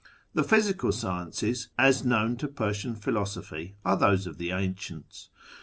The physical sciences as known to Persian philosophy are those of the ancients.